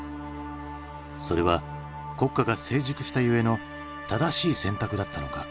それは国家が成熟したゆえの正しい選択だったのか？